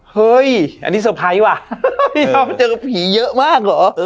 เฮ้ยอันนี้เซอร์ไพรส์ว่ะพี่ชอบเจอกับผีเยอะมากเหรอ